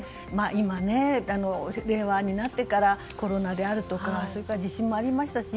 今、令和になってからコロナであるとか地震もありましたし